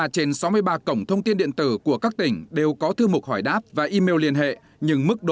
sáu mươi ba trên sáu mươi ba cổng thông tin điện tử của các tỉnh đều có thư mục hỏi đáp và email liên tục